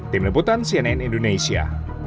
tim lebotan cnn indonesia